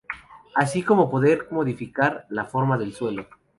Así como poder modificar la forma del suelo.